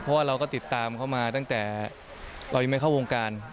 เพราะว่าเราก็ติดตามเขามาตั้งแต่เรายังไม่เข้าวงการ